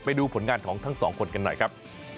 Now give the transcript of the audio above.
ไปดูผลงานของทั้งสองคนกันหน่อยครับ